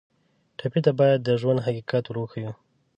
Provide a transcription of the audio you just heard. ټپي ته باید د ژوند حقیقت ور وښیو.